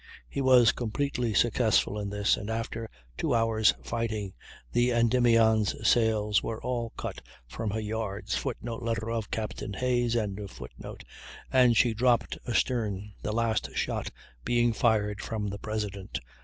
He was completely successful in this, and after two hours' fighting the Endymion's sails were all cut from her yards [Footnote: Letter of Capt. Hayes.] and she dropped astern, the last shot being fired from the President.